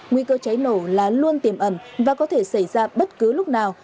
nguy cơ cháy nổ là luôn tiềm ẩn và có thể xảy ra bất cứ lúc nào